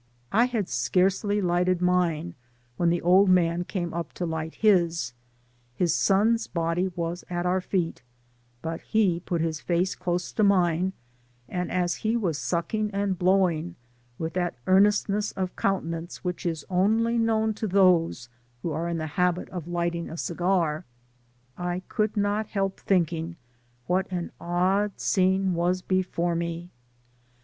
I had scarcely lighted* mine, when the old man came up to light his. Hia son's body was at our feet, but he put his face close to mine, and as he was sucking and blowing, with that earnestness of countenance which is only known to those who are in the habit of lighting a segar, I could not help thinking what an odd scene was before me.